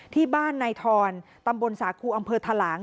ที่บ้านในทอนตำบลสาคูอำเภอทะลาง